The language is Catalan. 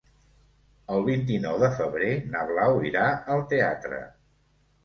El vint-i-nou de febrer na Blau irà al teatre.